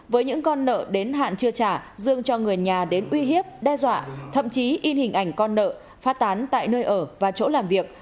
với những con nợ đến hạn chưa trả dương cho người nhà đến uy hiếp đe dọa thậm chí in hình ảnh con nợ phát tán tại nơi ở và chỗ làm việc